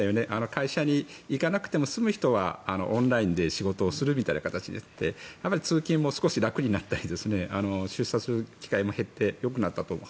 会社に行かなくても済む人はオンラインで仕事をするみたいな形になって通勤も少し楽になったり出社する機会も減ってよくなったと思う。